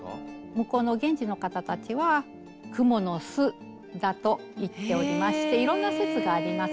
向こうの現地の方たちは「クモの巣」だと言っておりましていろんな説があります。